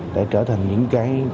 để trở thành những cái